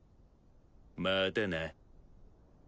またな。